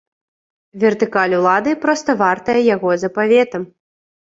Вертыкаль улады проста вартая яго запаветам.